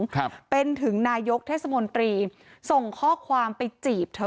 ครับเป็นถึงนายกเทศมนตรีส่งข้อความไปจีบเธอ